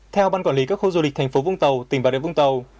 theo ban quản lý các khu du lịch thành phố vũng tàu tỉnh bà rịa vũng tàu